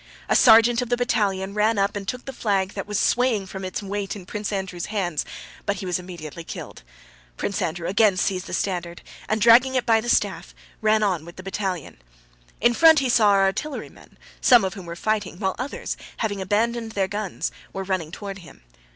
A sergeant of the battalion ran up and took the flag that was swaying from its weight in Prince Andrew's hands, but he was immediately killed. Prince Andrew again seized the standard and, dragging it by the staff, ran on with the battalion. In front he saw our artillerymen, some of whom were fighting, while others, having abandoned their guns, were running toward him.